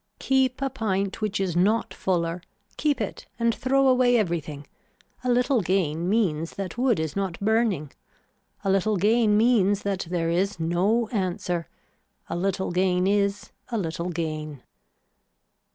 Keep a pint which is not fuller, keep it and throw away everything, a little gain means that wood is not burning, a little gain means that there is no answer, a little gain is a little gain.